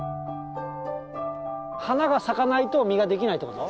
花が咲かないと実ができないってこと？